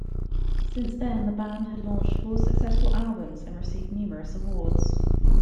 Since then, the band had launched four successful albums, and received numerous awards.